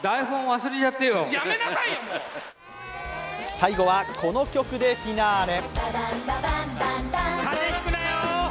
最後は、この曲でフィナーレ。